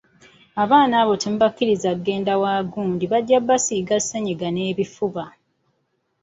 Abaana abo temubakkiriza kugenda wa gundi bajja kubasiiga ssennyiga n'ebifuba!